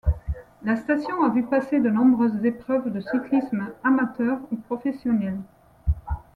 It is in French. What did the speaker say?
La station a vu passer de nombreuses épreuves de cyclisme amateur ou professionnel.